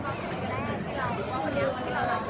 พี่แม่ที่เว้นได้รับความรู้สึกมากกว่า